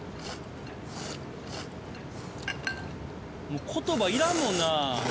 もう言葉いらんもんな。